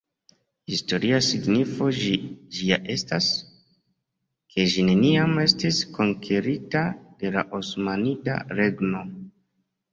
Historia signifo ĝia estas, ke ĝi neniam estis konkerita de la Osmanida Regno.